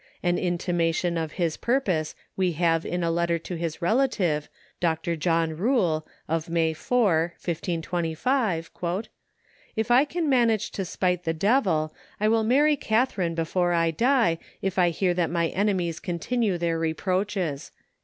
An intimation of his purpose we have in a letter to his relative, Dr. John Ruhl, of May 4, 1525: "If I can manage to spite the devil, I will marry Catharine before I die if I hear that my enemies continue their reproaches."